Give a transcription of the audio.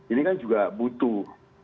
ini kan juga butuh